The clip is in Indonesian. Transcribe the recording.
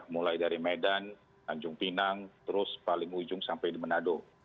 mulai dari medan tanjung pinang terus paling ujung sampai di manado